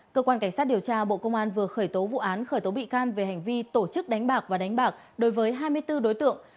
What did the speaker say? cơ quan cảnh sát điều tra bộ công an vừa khởi tố vụ án khởi tố bị can về hành vi tổ chức đánh bạc và đánh bạc đối với hai mươi bốn đối tượng